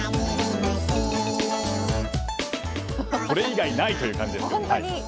これ以外ないという感じで。